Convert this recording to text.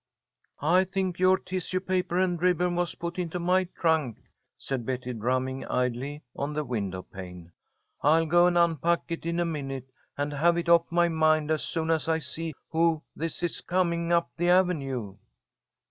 "I think your tissue paper and ribbon was put into my trunk," said Betty, drumming idly on the window pane. "I'll go and unpack it in a minute, and have it off my mind, as soon as I see who this is coming up the avenue."